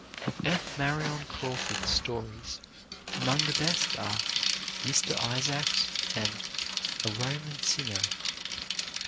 Of F. Marion Crawford's stories, among the best are "Mr. Isaacs" and "A Roman Singer."